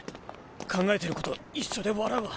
考えてること一緒で笑うわ。